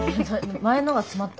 前のが詰まった？